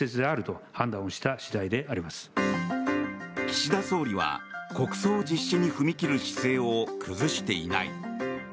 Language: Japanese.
岸田総理は国葬実施に踏み切る姿勢を崩していない。